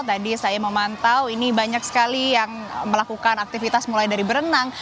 tadi saya memantau ini banyak sekali yang melakukan aktivitas mulai dari berenang